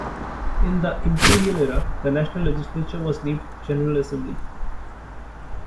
In the imperial era the national legislature was named "General Assembly".